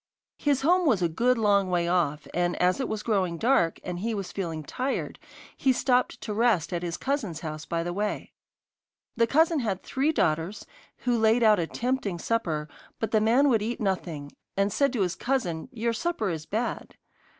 His home was a good long way off, and as it was growing dark, and he was feeling tired, he stopped to rest at his cousin's house by the way. The cousin had three daughters, who laid out a tempting supper, but the man would eat nothing, and said to his cousin, 'Your supper is bad.